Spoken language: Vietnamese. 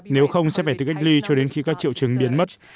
nếu không sẽ phải tự cách ly cho đến khi các triệu chứng biến mất